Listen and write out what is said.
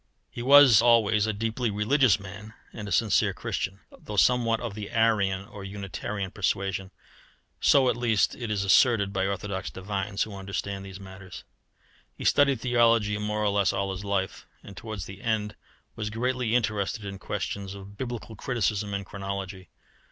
He was always a deeply religious man and a sincere Christian, though somewhat of the Arian or Unitarian persuasion so, at least, it is asserted by orthodox divines who understand these matters. He studied theology more or less all his life, and towards the end was greatly interested in questions of Biblical criticism and chronology.